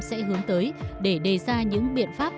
sẽ hướng tới để đề ra những biện pháp